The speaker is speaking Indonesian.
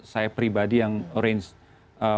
saya pribadi yang arrange